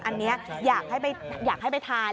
อันนี้อยากให้ไปทาน